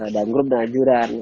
dan grup dan jurang